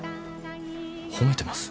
褒めてます？